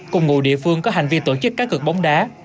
cùng ngụ địa phương có hành vi tổ chức các cực bóng đá